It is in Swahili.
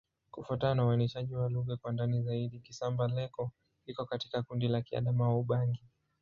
Kufuatana na uainishaji wa lugha kwa ndani zaidi, Kisamba-Leko iko katika kundi la Kiadamawa-Ubangi.